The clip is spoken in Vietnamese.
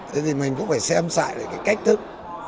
thế thì mình cũng phải xem sạy cái cách thức